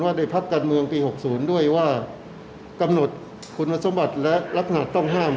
ในพักการเมืองปี๖๐ด้วยว่ากำหนดคุณสมบัติและลักษณะต้องห้าม